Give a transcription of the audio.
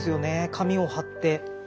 紙を貼って。